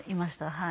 はい。